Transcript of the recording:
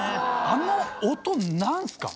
あの音何すか？